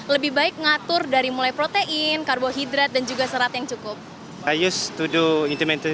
lebih baik ngatur dari mulai protein karbohidrat dan juga serat yang cukup